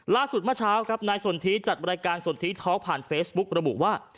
เมื่อเช้าครับนายสนทิจัดรายการสนทิท้องผ่านเฟซบุ๊กระบุว่า